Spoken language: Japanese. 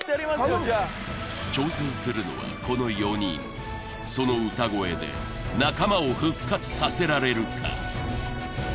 頼むぞ挑戦するのはこの４人その歌声で仲間を復活させられるか？